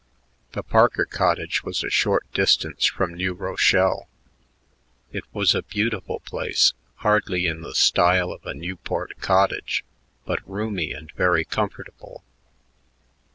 The Parker cottage was a short distance from New Rochelle. It was a beautiful place, hardly in the style of a Newport "cottage" but roomy and very comfortable.